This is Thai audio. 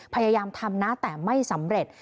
พยายามทำนะแต่ไม่สำเร็จ